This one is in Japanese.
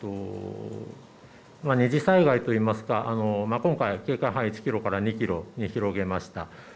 それから二次災害というか今回、警戒範囲が１キロから２キロに広げました。